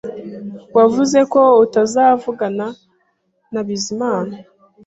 Wavuze ko utazavugana na Bizimana